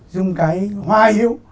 dùng cái hoa hiếu